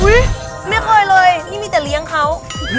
ไม่เคยเลยนี่มีแต่เลี้ยงเขา